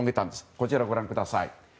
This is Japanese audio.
こちらをご覧ください。